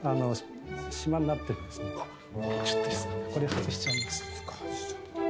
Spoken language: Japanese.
これ外しちゃいます。